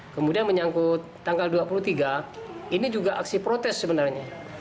kemudian menyangkut tanggal dua puluh tiga ini juga aksi protes sebenarnya